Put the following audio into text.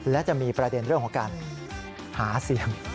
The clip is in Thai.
และจะมีประเด็นเรื่องของการหาเสียง